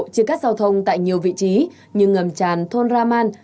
chia cắt giao thông tại nhiều vị trí như ngầm tràn thôn raman